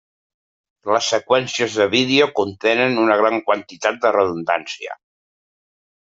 Les seqüències de vídeo contenen una gran quantitat de redundància.